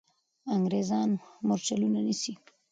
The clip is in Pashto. انګریزان مرچلونه نیسي.